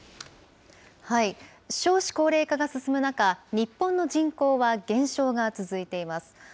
少子高齢化が進む中、日本の人口は減少が続いています。